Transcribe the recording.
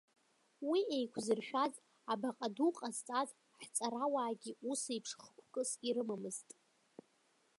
Уи еиқәзыршәаз, абаҟа ду ҟазҵаз ҳҵарауаагьы усеиԥш хықәкыс ирымамызт.